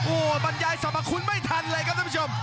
โอ้โหบรรยายสรรพคุณไม่ทันเลยครับท่านผู้ชม